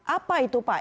apa itu pak